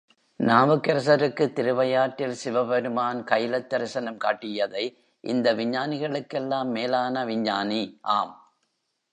நாவுக்கரசருக்குத் திருவையாற்றில் சிவபெருமான் கைலத் தரிசனம் காட்டியதை, இந்த விஞ்ஞானிகளுக்கெல்லாம் மேலான விஞ்ஞானி, ஆம்!